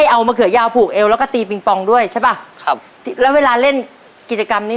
ตัวเลือดที่๓ดีใจ